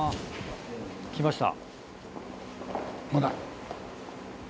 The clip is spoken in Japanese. きました。